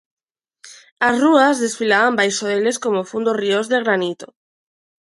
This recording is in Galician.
As rúas desfilaban baixo deles como fundos ríos de granito.